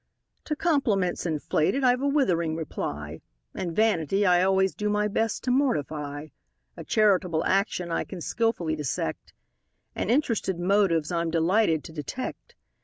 To compliments inflated I've a withering reply; And vanity I always do my best to mortify; A charitable action I can skilfully dissect: And interested motives I'm delighted to detect.